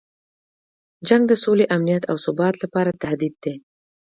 جنګ د سولې، امنیت او ثبات لپاره تهدید دی.